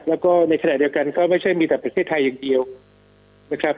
แล้วก็ในขณะเดียวกันก็ไม่ใช่มีแต่ประเทศไทยอย่างเดียวนะครับ